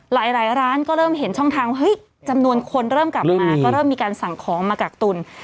หลายร้านก็เริ่มเห็นช่องทางเฮ้ยจำนวนคนเริ่มกลับมาก็เริ่มมีการสั่งของมากักตุล